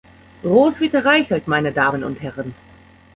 Roswitha Reichelt, meine Damen und Herren!